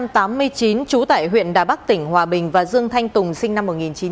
trú tại huyện đà bắc tỉnh hòa bình và dương thanh tùng sinh năm một nghìn chín trăm tám mươi